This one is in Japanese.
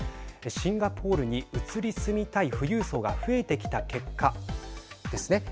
シンガポールに移り住みたい富裕層が増えてきた結果ですね